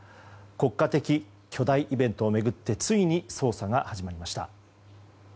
国家的巨大イベントを巡ってついに捜査が始まりました。